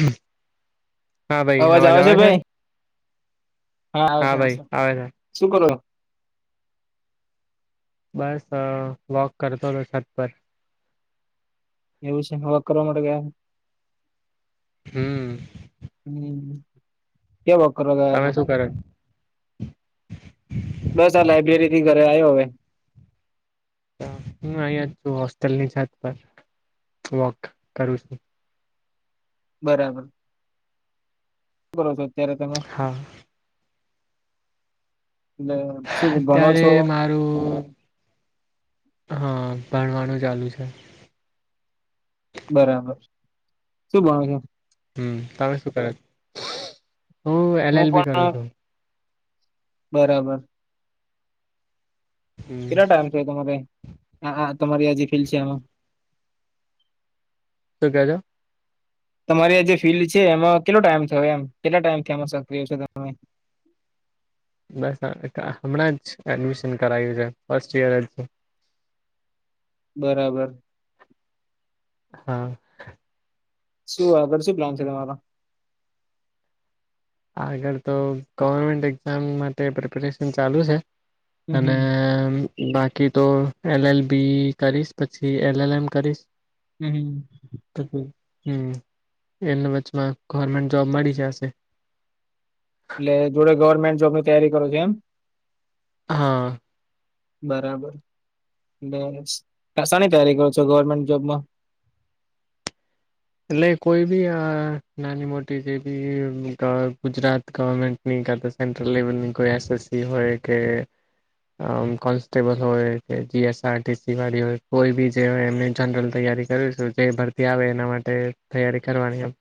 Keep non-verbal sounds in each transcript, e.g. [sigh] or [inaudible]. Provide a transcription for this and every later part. [unintelligible] હા ભાઈ અવાજ આવે છે? આવે હા છે ભાઈ છે આવે છે. શું કરો? બસ અ વોક કરતો હતો છત પર. એવું છે, વોક કરવા માટે ગયા? હમ્મ. હમ્મ, ક્યા વાક કરવા લગાયા તમે તા. શું કરો બસ આ લાબ્રેરીથી ઘરે આવ્યો હવે. હું અહીં જ છું હોસ્ટેલની છત પર, વોક કરું છું. બરાબર, શું કરો છો અત્યારે તમે? હા એટલે શું ભણો છો? આરૂ હા ભણવાનું ચાલુ છે. બરાબર, શું ભણ છો? હમ્મ, તમે શું કર? હું એલ એલ બી કરું છું. બરાબર. હમ કેટલા ટાઈમ થયા, તમારે તમારી આજ ફીડ છે આમાં? શું કયો છો? તમારી આ જે ફિલ્ડ છે એમાં કેટલો ટાઈમ થયો એમ કેટલા ટાઈમથી સક્રિય છે તમે? બસ આ હમણાં જ એડમિશન કરાયું છે ફર્સ્ટ ઈયર જ. બરાબર. હા. શું આગળ શું પ્લાન છે તમારો? આગળ તો ગવર્મેન્ટ એક્ઝામ માટે પ્રિપરેશન ચાલુ છે. હમ અને હમ બાકી તો એલ એલ બી કરીશ પછી એલ એલ એમ કરીશ. હમ્મ હમ્મ. હમ એના વચમાં ગવર્મેન્ટ જોબ મળી જશે. એટ જોડે ગવર્મેન્ટ જોબ તૈયારી કરો છો એમ. હા. બરાબર, બ કસાની તૈારી કરો છો ગવર્મેન્ટ જોબમાં? એટલે કોઈ બી નાની મોટી જે બી ગુજરાત ગવર્મેન્ટ નકા તો સેન્ટ્રલ લેવલ નની કોઈ એસ એસ સી હોય કે કોન્સ્ટેબલ હોય કે G S R T C વાળી હોય કોઈ બી જે હોય એમને જનરલ તૈયારી જ શું જે ભરતી આવે એના માટે તૈયારી કરવાની એમ.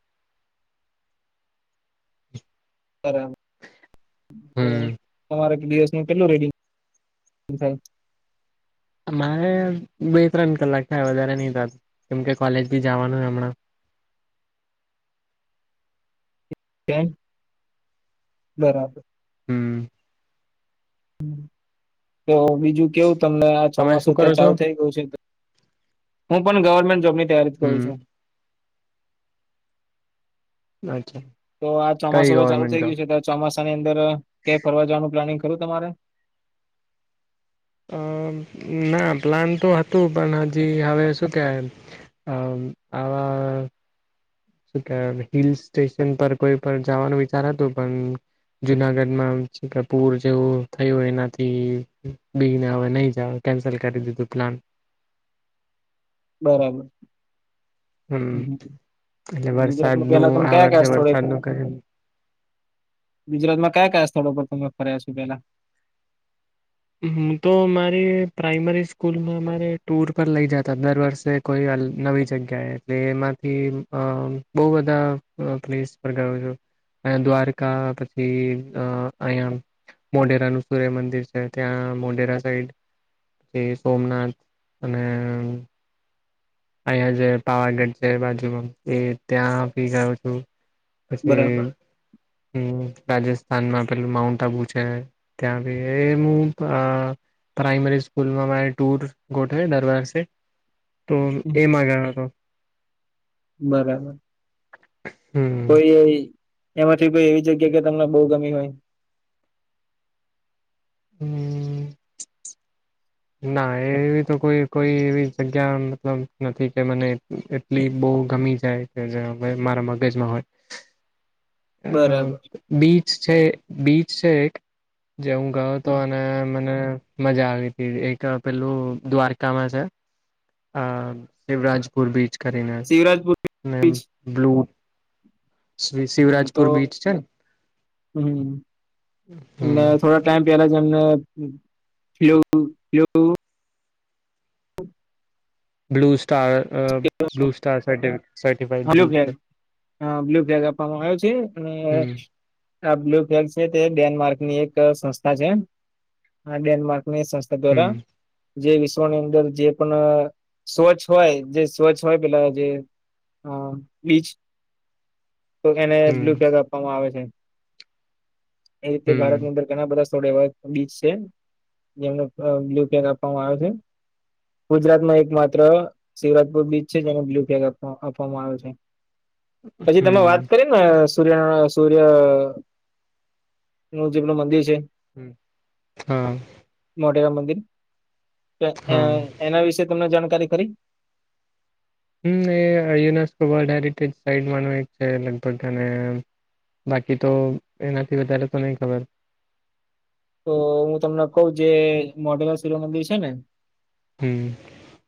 બરાબર તો હમ તમારે દિવસ ન કેટલું રેડ થાય. મારે બે ત્રણ કલાક થાય વધારે નહી થત કેમકે કોલેજ બી જવાનું હોય હમણાં. કે, બરાબર. હમ. તો બીજું કેવું તમને આ તમે શું ચોમાસું કરો ત્યાં છો ચાલુ થઈ ગયું છે. હું પણ ગવર્મેન્ટ જોબની તૈયારી કરું હમ છું. અચ્છા તો આ કઈ ચોમાસું હવે ચાલુ થઇ ગવર્મેન્ટ જોબ ગયું છે તો ચોમાસાની અંદર ક્યા ફરવા જવાનું પ્લાનિંગ કરું તમારે? અ ના પ્લાન તો હતું પણ હજી હવે શું કહેવાય. અ આવા હિલ સ્ટેશન પર કોઈ પણ જવાનું વિચાર હતું પણ. જુનાગઢમાં પૂર જેવું થયું એનાથી બીને હવે નહી જાવ. કેન્સલ કરી દીધું પ્લાન. બરાબર. હમ એટલે વરસાદ ગુજરાતમાં પેલા નું તમે આ કયા વર્ષે કયા થોડે વરસાદ નું ગુજરાતમાં કયા કયા સ્થળો પર તમે ફર્યા છો પેલા? હું તો મારી પ્રાઈમરી સ્કૂલમાં અમારે ટુર પર લઇ જતા દર વર્ષે. કોઈ નવી જગ્યાએ એટલે એમાંથી બહ બધા પ્લેસ પર ગયો છું. અહયા દ્વારકા પછી અ અહિયાયા મોઢેરા નું સૂર્યમંદિર. ત્યાં મોઢેરા સાઈડ પ સોમનાથ અને અહિયાંયા જે પાવાગઢ છે બાજુમાં એ ત્યાંભી ગયો છું. બરાબર પછી હમ રાજસ્થાનમાં પેલું માઉન્ટ આબુ છે, ત્યાં ભી એ હું પ્રાઈમરી સ્કૂલમાં મારે ટુર ગોઠવી દર વરસે, તો એ હમ. માગ હતો. બરાબર, હમ કોઈ એમાંથી કોઈ એવી જગ્યા કે તમને બહુ ગમી હોય? હમ. ના એવી તો કોઈ કોઈ એવી જગ્યા મતલબ નથી કે મને સ્લીપ બહુ ગમી જાય કે જેવે મારા મગજમાં હોય. બરાબર. બીચ છે બીચ છે એક જે હું ગયો તો અને મ મજા આવે. એક પહેલું દ્વારકામાં છે, આ શિવરાજપુર બીચ. કરીને શિવરાજપુર બીચ બ્લુ. હમ તો શિવરાજપુર બીચ છે ને હમ અને હમ થોડા ટમ પેલા જમ હ. બ્લ સ્ટાર અ બ્લુ સ્ટાર સફાઈડ [unintelligible] હા બ્લુ ફ્લેગ આપવામાં આવ્યો છે અને હમ આ બ્લુ ફેગ છે તે ડેનમાર્ક ની એક સંસ્થા છે, આ ડેનમાર્ક ની સંસ્થા હમ દ્વારા જે વિશ્વની અંદર જે પણ શોચ હોય. જે સ્વચ્છ હોય પેલા જે બીચ. તો એને હમ બ્લુ પગ આપવામાં આવે છે. એ રીતે ભારતની હમ અંદર ઘણા બધા સોડે હોય. બીચ છે જેમને બ્લુ પેક આપવામાં આવે્યો છે. ગુજરાતમાં એક માત્ર. શિવરાજપુર બીચ છે જેને બ્લુ ફ્લેગ આપ આપવામાં આવ્યો છે પછી તમે વાત. હમ કરી ને સૂર્ય સૂર્ય નું જેમલ મંદિર છે. હ. મોઢેરા મંદિર તો હા એના વિશે તમને જાણકારી ખરી. હમ એ યુનેસ્કો વર્લ્ડ હેરિટેજ સાઈટ માનું એક છે લગભગ અને. બાકી તો એનાથી વધારે તો નહી ખબર. તો હું તમને કહ જે મોઢેરા શિવિવમંદિર છે ને હમ્મ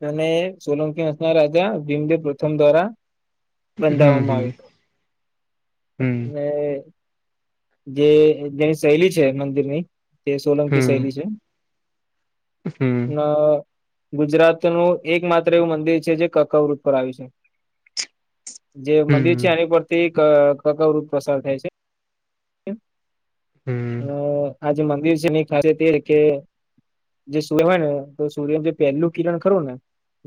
અને સોલંકીસ ના રાજા ભીમદેવ પ્રથમ દ્વારા. હમ હમ બંધાવવામાં આવે ને. જે જેની શૈલી છે મંદિર ની તે સોલંકી હમ શૈલી છે. હમ હમ ન. ગુજરાતનું એક માત્ર એવું મંદિર છે જે કકવૃત પરર આવ્યું છે. જે મંદિર હમ છે એની પરથી કકાવત પ્રસાર થાય છે. હમ આજ મંદિર છેની ખાસિયત એ કે જે સૂર્ય હોય ને તો સૂર્યનું જે પહેલું કિરણ ખરું ને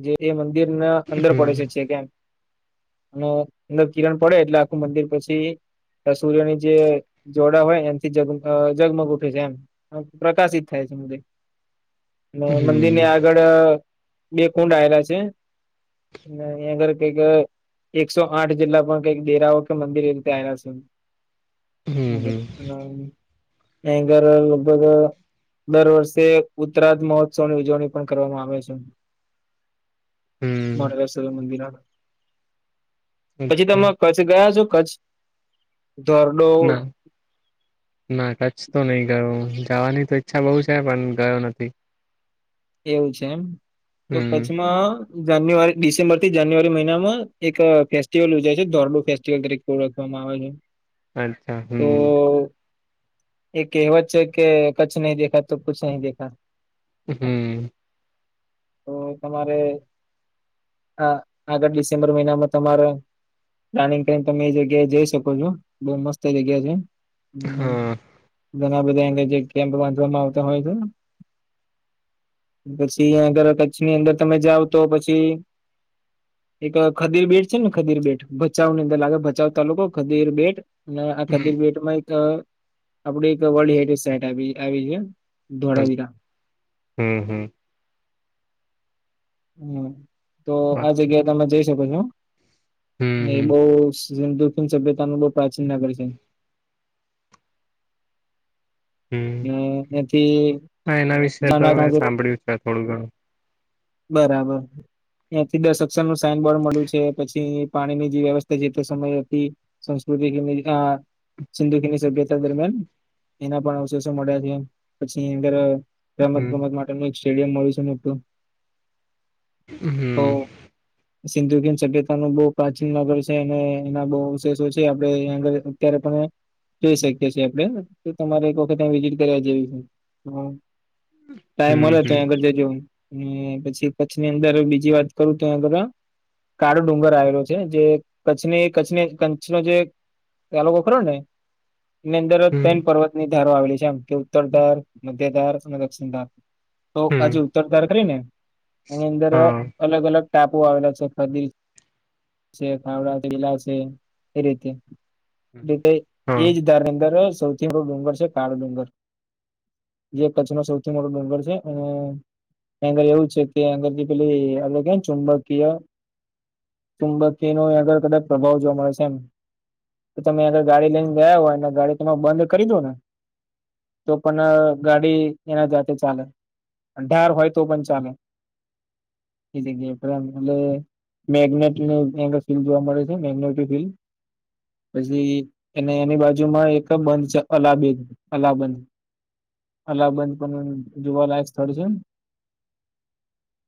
જે એ મંદિર ના અંદર પડે હમ છે છે કેમ. અને અંદર કિરણ પડે એટલે આખું મંદિર પછી સૂર્યની જે જોડા હોય એમથી જગ જગમગ ઉઠે છે એમ પ્રકાશિત થાય છે. મંદિર હમ ની આગળ બે કુંડ આયલા છે. ને એની અગર કંઈક એકસો આઠ જેટલા પણ કઈક ડેરાઓ કે મંદિર એ રીતે આવેલા છે. હમ [unintelligible] હમ ભયંકર લગભગ દર વર્ષે ઉત્તરા્ર્ધ મહોત્સવની ઉજવણી પણ કરવામાં આવે છે. હમ માડવે સવા મંદિરમાં પછી અચ્છા તમે કચ્છ ગયા છો કચ્છ ધોર ના ના કચ્છ તો નઈ ગયો જવાની તો ઈચ્છા બહુ છે પણ ગયો નથી એવું છે એમ તો હમ કચ્છમાં જાન્યુઆરી ડિસેમ્બર થી જાન્યુઆરી મહિનામાં એક ફેસ્ટિવલ યોજાય છે ધોરડો ફેસ્ટિવલ તરીકે ઓળખવામાં આવે છે. અચ્છા હમ્મ એક કહેવત છે કે કચ્છ નહી દેખા તો કુછ નહી દેખા હમ્મ તો તમારે હા આગળ ડિસેમ્બર મહિનામાં તમારે પ્લાનિંગ કરીને તમે એ જગ્યાએ જઈ શકો છો બઉ મસ્ત એ જગ્યા છે. હમ હ. ઘણા બધા એને જે કેમ્પ બાંધવામાં આવતા હોય છે. પછીયા આગળ કચ્છની અંદર તમે જાવ તો પછી એક ખદીર બેેટ છે ને ખદીર બેેટ ભચાઉ ની અંદર લાગે ભચાઉ તાલુકો ખદીર બેેટ અને હમ આખાદી બેેટ મા એક અ આપડે એક વર્લ્ડ હેરિટેજ સાઈટ આવી છે ધોળાવીરા હમ્મ હમ્મ હમ તો હમ આ જગ્યા તમે જઈ શકો છો એ હમ બહુ સભ્યતા નુ બહુ પ્રાચીન નગર છે. હમ એથી હા એના વિશે તો મેં [inaudible] સાંભળ્યું છે થોડું ઘણું બરાબર ત્યાંથી દસ અક્ષર નું સાઈનબોર્ડ મળ્યું છે પછી પાણી ની જે વ્યવસ્થા છે તે સમય હતી સંસ્કૃતિ કે સિંધુકીની સભ્યતા દરમિયાન એના પણ મળ્યા છે પછીની અંદર રમત હમ ગમત માટેનું એક સ્ટેડિયમ મળ્યું છેને હમ સિંધુકીની સભ્યતા નુ બહુ પ્રાચીન નગર છે અને એના બહુ અવશેષો છે આપે આગળ અત્યારે પણ જોઈ શકીએ છીએ આપડે તમારે વિઝિટ કર જેવી છે ટાઈમ મળે હમ હમ આગળ જજ હ પછી કચ્છની અંદર બીજી વાત કરું તો એ બધા કાળો ડુંગર આવેલો છે જે કચ્છની કચ્છની કચ્છનો જે પેલો વકરો ને એની અંદર હમ ટેન પર્વત ધારો આવેલી છે આમ કે ઉત્તર ધાર મધ્ય ધાર અને દક્ષિણ ધાર તો હમ હજી ઉત્તરધાર કરી ને એની અંદર હા અલગ અલગ ટાપુ આવેલા છે ખદી છે ખાવડાવીલા છે એ રીતે એટલે હા એજ ધારદર સૌથી મોટો ડુંગર છે કાળો ડુંગર જે કચ્છ નો સૌથી મોટો ડુંગર છે અને ત્યા એવું છે કે આપડે કહીએ કે ચુંબકીય કુંબતી ન અહીં આગળ કદાચ પ્રભાવ જોવા મળે છે એમ તો તમે આગળ ગાડી લઈને ગયા હોય ને ગાડી તમે બંધ કરી દો ને તો પણ ગાડી એના જાતે ચાલે ઢાળ હોય તો પણ ચાલે હગ એપ આમ મેગ્નેટ ફિલ્ડ જોવા મળે છે મેગ્નેટ ફિલ્ડ પછી એને એની બાજુ માં એક બંધ છે અલાબી અલ્લાહબંધ અલ્લાહબંધ પણ જોવાલાયક સ્થળ છે